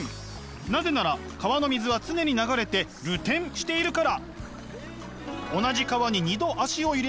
なぜなら川の水は常に流れて流転しているから。